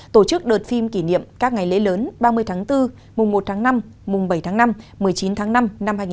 tổ chức đợt phim kỷ niệm các ngày lễ lớn ba mươi tháng bốn mùng một tháng năm mùng bảy tháng năm một mươi chín tháng năm năm hai nghìn hai mươi bốn